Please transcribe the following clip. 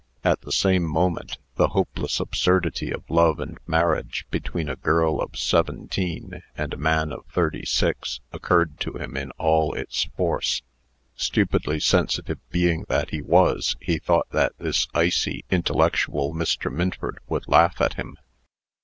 At the same moment, the hopeless absurdity of love and marriage between a girl of seventeen and a man of thirty six, occurred to him in all its force. Stupidly sensitive being that he was, he thought that this icy, intellectual Mr. Minford would laugh at him.